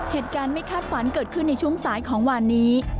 เหตุการณ์ไม่คาดฝันเกิดขึ้นในช่วงสายของวันนี้